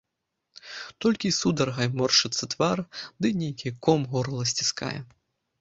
Толькі сударгай моршчыцца твар ды нейкі ком горла сціскае.